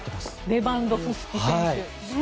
レバンドフスキ選手。